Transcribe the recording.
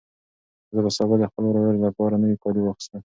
زه به سبا د خپل ورور لپاره نوي کالي واخیستل.